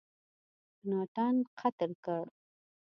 مکناټن قتل کړ.